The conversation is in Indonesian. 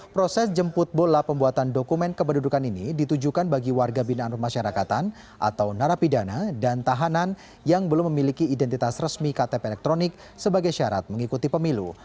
proses jemput bola pembuatan dokumen kependudukan ini ditujukan bagi warga binaan rumah syarakatan atau narapidana dan tahanan yang belum memiliki identitas resmi ktp elektronik sebagai syarat mengikuti pemilu